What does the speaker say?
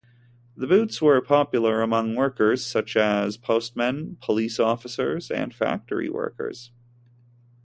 The boots were popular among workers such as postmen, police officers and factory workers.